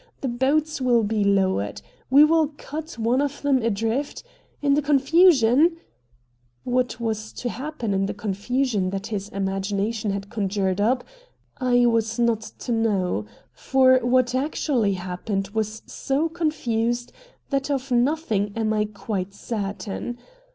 The boats will be lowered. We will cut one of them adrift. In the confusion " What was to happen in the confusion that his imagination had conjured up, I was not to know. For what actually happened was so confused that of nothing am I quite certain.